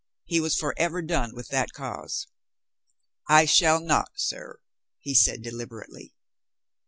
He was for ever done with that cause. "I shall not, sir," he said deliberately.